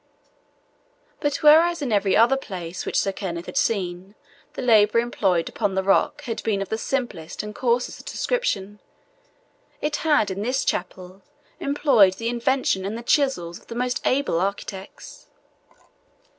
But whereas, in every other place which Sir Kenneth had seen, the labour employed upon the rock had been of the simplest and coarsest description, it had in this chapel employed the invention and the chisels of the most able architects.